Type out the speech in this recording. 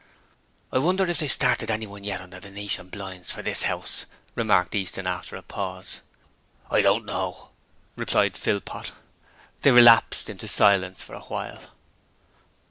'I wonder if they've started anyone yet on the venetian blinds for this 'ouse?' remarked Easton after a pause. 'I don't know,' replied Philpot. They relapsed into silence for a while.